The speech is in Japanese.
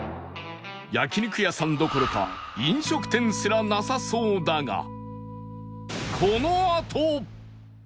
焼肉屋さんどころか飲食店すらなさそうだが